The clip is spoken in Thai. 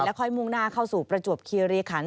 แล้วค่อยมุ่งหน้าเข้าสู่ประจวบเคียเรคัน